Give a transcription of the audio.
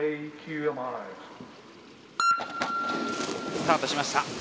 スタートしました。